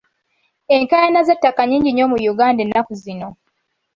Enkaayana z'ettaka nnyingi nnyo mu Uganda ennaku zino.